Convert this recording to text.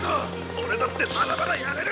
俺だってまだまだやれる！